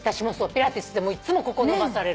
ピラティスでもいつもここ伸ばされる。